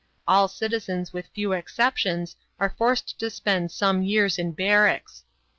All citizens with few exceptions are forced to spend some years in barracks.